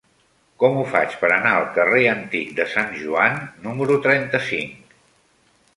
Com ho faig per anar al carrer Antic de Sant Joan número trenta-cinc?